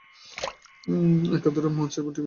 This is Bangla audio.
একাধারে মঞ্চ, টিভি, চলচ্চিত্র ও বেতার জগতে পদচারণা ছিল।